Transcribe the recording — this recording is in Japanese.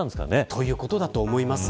ということだと思います。